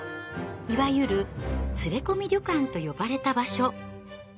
いわゆる「連れ込み旅館」と呼ばれた場所。